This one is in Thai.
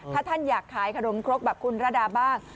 ถ้าท่านอยากขายขนมครกแบบคุณระดาบ้าง